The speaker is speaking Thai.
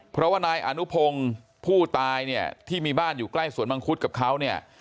เพราะว่านายอนุพงศ์ผู้ตายเนี่ยที่มีบ้านอยู่ใกล้สวนมังคุดกับเขาเนี่ย